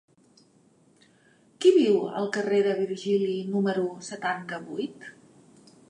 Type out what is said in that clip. Qui viu al carrer de Virgili número setanta-vuit?